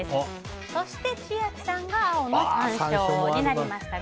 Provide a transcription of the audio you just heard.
そして千秋さんが青のさんしょうになりました。